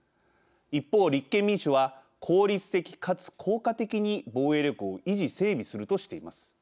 一方、立憲民主は効率的かつ効果的に防衛力を維持・整備するとしています。